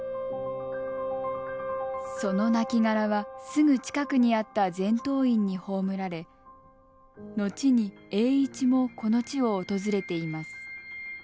その亡骸はすぐ近くにあった全洞院に葬られ後に栄一もこの地を訪れています。